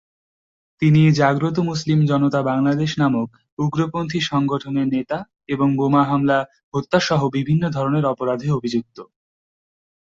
তিনি "জাগ্রত মুসলিম জনতা, বাংলাদেশ" নামক উগ্রপন্থী সংগঠনের নেতা, এবং বোমা হামলা, হত্যা সহ বিভিন্ন ধরনের অপরাধে অভিযুক্ত।